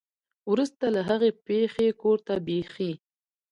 ورورسته له هغې پېښې کور ته بېخي